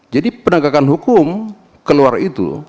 jadi penegakan hukum keluar itu